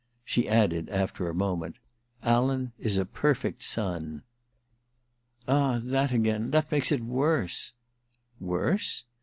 She added, after a moment :^ Alan is a perfect son.' * Ah, that again — that makes it worse !'* Worse